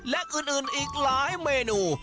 และอื่นอีกหลายเมนู